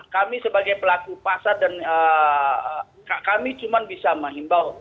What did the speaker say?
kami sebagai pelaku pasar dan kami cuma bisa menghimbau